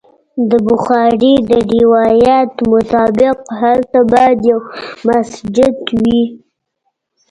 د بخاري د روایت مطابق هلته باید یو مسجد وي.